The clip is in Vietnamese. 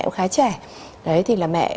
cũng khá trẻ đấy thì là mẹ